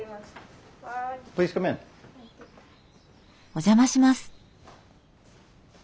お邪魔します。